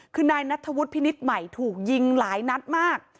คือนายนัทธวุฒิพินิษฐ์ใหม่ถูกยิงหลายนัดมาก